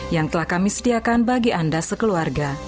yang telah kami sediakan bagi anda sekeluarga